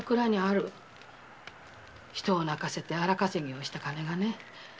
人を泣かせて荒稼ぎした金がね。